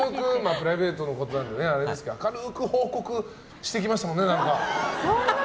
プライベートのことはあれですが明るく報告してきましたもんね。